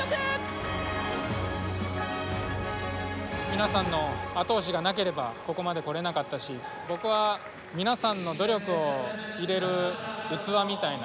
皆さんのあとおしがなければここまでこれなかったし僕は、皆さんの努力を入れる器みたいな。